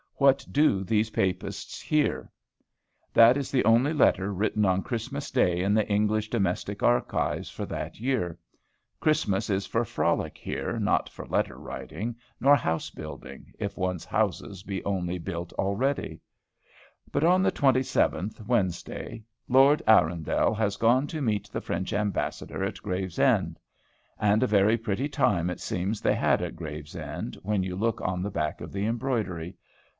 What do these Papists here? That is the only letter written on Christmas day in the English "Domestic Archives" for that year! Christmas is for frolic here, not for letter writing, nor house building, if one's houses be only built already! But on the 27th, Wednesday, "Lord Arundel has gone to meet the French Ambassador at Gravesend." And a very pretty time it seems they had at Gravesend, when you look on the back of the embroidery.